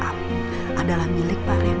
ini adalah milik pak raymond